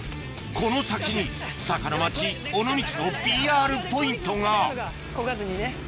この先に坂の町尾道のＰＲポイントがこがずにね。